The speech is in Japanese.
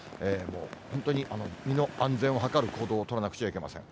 本当に身の安全を図る行動を取らなくちゃいけません。